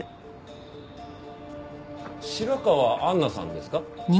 白河杏奈さんですか？